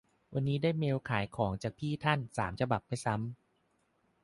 วันนี้ได้เมลขายของจากพี่ท่านสามฉบับไม่ซ้ำ